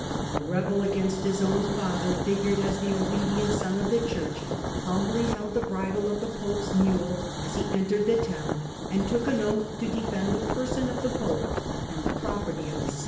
The rebel against his own father figured as the obedient son of Digitized by VjOOQIC l66 HiLDEBRAND the Church, humbly held the bridle of the pope's mule as he entered the town, and took an oath to defend the arban'i p©rson of the pope and the property of the